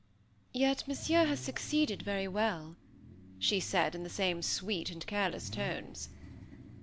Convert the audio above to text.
"Yet Monsieur has succeeded very well," she said in the same sweet and careless tones.